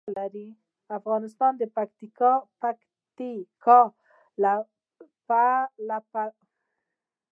افغانستان د پکتیکا په اړه مشهور تاریخی روایتونه لري.